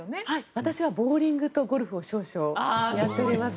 私はボウリングとゴルフを少々やっております。